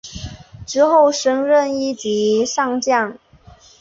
之后升任一级上将。